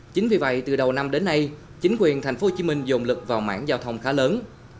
chính vì vậy từ đầu năm đến nay chính quyền tp hcm dồn lực vào mảng giao thông khá lớn